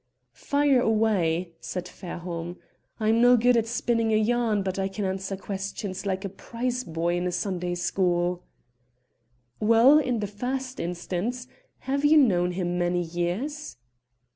"Fire away," said Fairholme. "I'm no good at spinning a yarn, but I can answer questions like a prize boy in a Sunday school." "Well, in the first instance, have you known him many years?"